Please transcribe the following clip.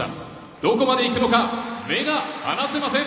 どこまでいくのか目が離せません！